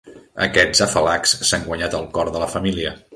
Aquests afalacs s'han guanyat el cor de la família.